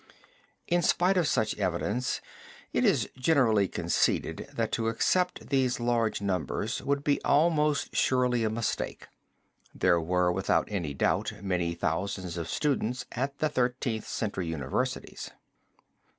In spite of such evidence it is generally conceded that to accept these large numbers would be almost surely a mistake. There were without any doubt many thousands of students at the Thirteenth Century universities.